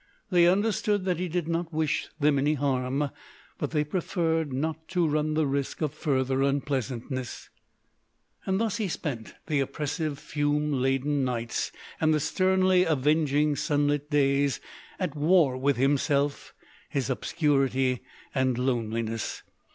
They understood that he did not wish them any harm, but they preferred not to run the risk of further unpleasantnesses. Thus he spent the oppressive fume laden nights and the sternly avenging sun lit days at war with himself, his obscurity and loneliness.